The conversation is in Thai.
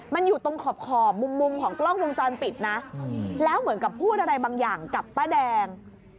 มันอยู่ตรงขอบมุมของกล้องวงจรปิดนะแล้วเหมือนกับพูดอะไรบางอย่างกับป้าแดง